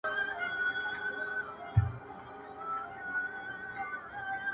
له یوسف څخه به غواړم د خوبونو تعبیرونه-